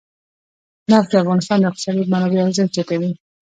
نفت د افغانستان د اقتصادي منابعو ارزښت زیاتوي.